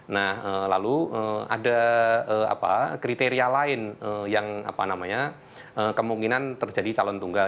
nah lalu ada kriteria lain yang kemungkinan terjadi calon tunggal